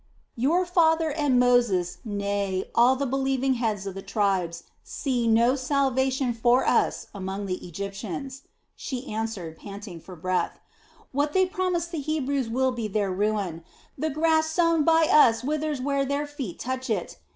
"Your father and Moses, nay, all the believing heads of the tribes, see no salvation for us among the Egyptians," she answered, panting for breath. "What they promise the Hebrews will be their ruin. The grass sowed by us withers where their feet touch it!